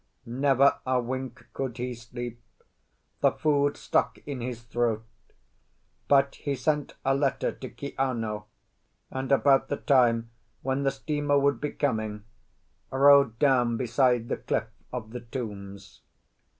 Never a wink could he sleep; the food stuck in his throat; but he sent a letter to Kiano, and about the time when the steamer would be coming, rode down beside the cliff of the tombs.